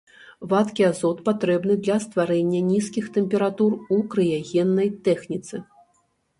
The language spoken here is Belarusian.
Вадкі азот патрэбны для стварэння нізкіх тэмператур у крыягеннай тэхніцы.